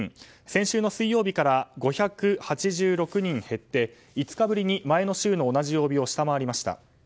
先週の水曜日から５８６人減って５日ぶりに前の週の同じ曜日を下回りました。